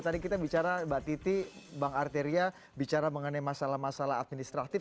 tadi kita bicara mbak titi bang arteria bicara mengenai masalah masalah administratif